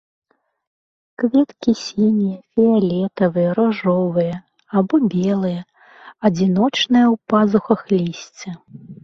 Кветкі сінія, фіялетавыя, ружовыя або белыя, адзіночныя ў пазухах лісця.